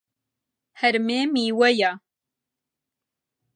هەرمێ میوەیە.